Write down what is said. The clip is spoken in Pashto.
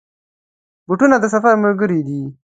بوټونه د سفر ملګري دي.